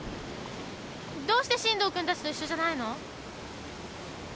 どうして進藤君たちと一緒じゃないの？